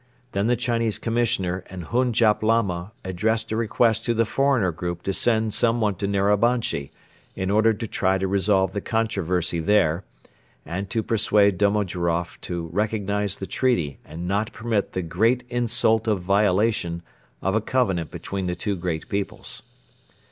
Then the Chinese Commissioner and Hun Jap Lama addressed a request to the foreigner group to send some one to Narabanchi, in order to try to resolve the controversy there and to persuade Domojiroff to recognize the treaty and not permit the "great insult of violation" of a covenant between the two great peoples.